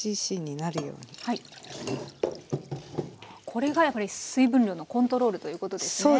これがやっぱり水分量のコントロールということですね。